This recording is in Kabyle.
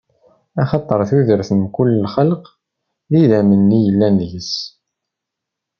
Axaṭer tudert n mkul lxelq, d idammen-nni yellan deg-s.